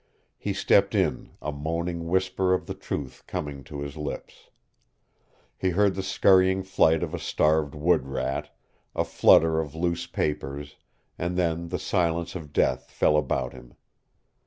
He stepped in, a moaning whisper of the truth coming to his lips. He heard the scurrying flight of a starved wood rat, a flutter of loose papers, and then the silence of death fell about him.